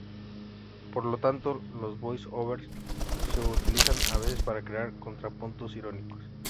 Por lo tanto, los voice-overs se utilizan a veces para crear contrapuntos irónicos.